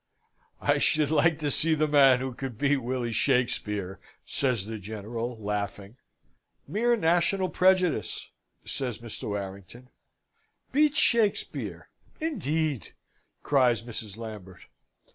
"I should like to see the man who could beat Willy Shakspeare?" says the General, laughing. "Mere national prejudice," says Mr. Warrington. "Beat Shakspeare, indeed!" cries Mrs. Lambert.